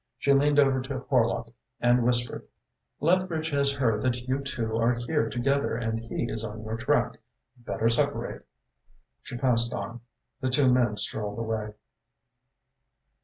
She leaned over to Horlock and whispered: "Lethbridge has heard that you two are here together and he is on your track. Better separate." She passed on. The two men strolled away.